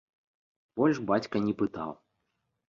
Больш бацька не пытаў.